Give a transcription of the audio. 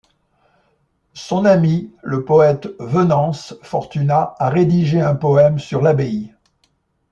Son ami, le poète Venance Fortunat a rédigé un poème sur l'abbaye.